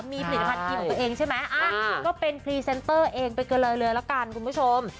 มีผลิตภัณฑีมของตัวเองใช่ไหมก็เป็นพรีเซนเตอร์เองไปกันเลยเลยละกันคุณผู้ชม